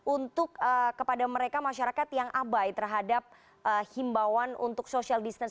untuk kepada mereka masyarakat yang abai terhadap himbauan untuk social distance